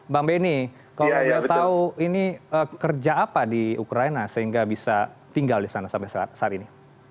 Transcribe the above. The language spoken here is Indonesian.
bang benny kalau anda tahu ini kerja apa di ukraina sehingga bisa tinggal di sana sampai saat ini